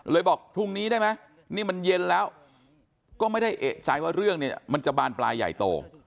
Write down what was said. บอกพรุ่งนี้ได้ไหมนี่มันเย็นแล้วก็ไม่ได้เอกใจว่าเรื่องเนี่ยมันจะบานปลายใหญ่โต